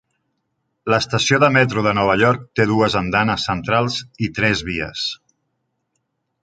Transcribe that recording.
L'estació de metro de Nova York té dues andanes centrals i tres vies.